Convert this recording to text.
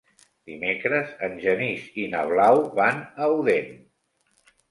Dimecres en Genís i na Blau van a Odèn.